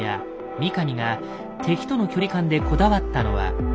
三上が敵との距離感でこだわったのは。